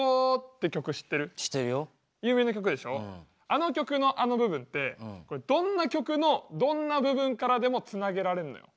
あの曲のあの部分ってこれどんな曲のどんな部分からでもつなげられんのよ。